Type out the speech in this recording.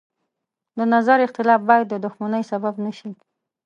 د نظر اختلاف باید د دښمنۍ سبب نه شي.